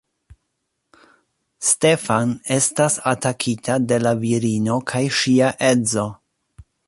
Stefan estas atakita de la virino kaj ŝia edzo.